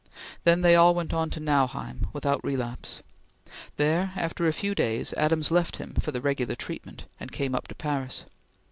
Then they all went on to Nanheim without relapse. There, after a few days, Adams left him for the regular treatment, and came up to Paris.